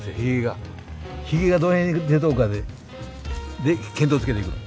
ひげがどの辺に出とるかでで見当をつけていく。